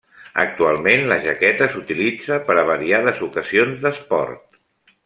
Actualment, la jaqueta s'utilitza per a variades ocasions d'esport.